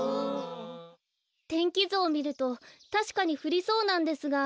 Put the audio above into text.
天気ずをみるとたしかにふりそうなんですが。